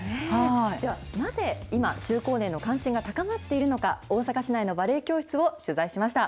ではなぜ、今、中高年の関心が高まっているのか、大阪市内のバレエ教室を取材しました。